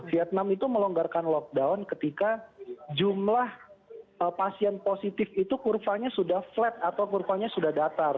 vietnam itu melonggarkan lockdown ketika jumlah pasien positif itu kurvanya sudah flat atau kurvanya sudah datar